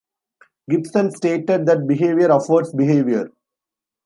Gibson stated that behavior affords behavior.